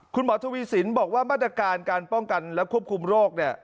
คุณหมอทวีสินบอกว่าบรรยาการการป้องกันและควบคุมโรค